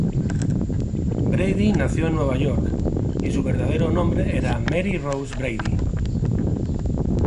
Brady nació en Nueva York, y su verdadero nombre era Mary Rose Brady.